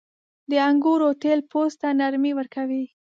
• د انګورو تېل پوست ته نرمي ورکوي.